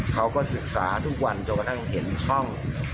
เขาก็ศึกษาทุกวันจนกระทั่งเห็นช่อง